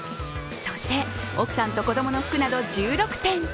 そして、奥さんと子供の服など１６点。